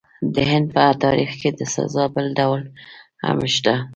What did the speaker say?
د هند په تاریخ کې د سزا بل ډول هم شته.